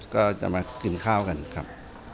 ก็จะมากินข้าวกันครับ